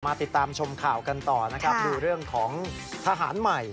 มาติดตามชมข่าวกันต่อดูเรื่องของทหารใหม่